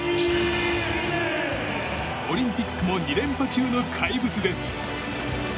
オリンピックも２連覇中の怪物です。